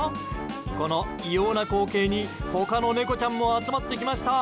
この異様な光景に他の猫ちゃんも集まってきました。